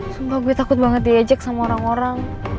sumpah gue takut banget diejek sama orang orang